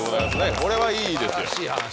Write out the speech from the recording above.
これはいいですよ。